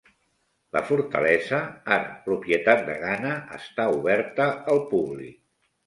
La fortalesa, ara propietat de Ghana, està oberta al públic.